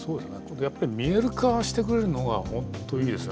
やっぱり見える化してくれるのが本当いいですね。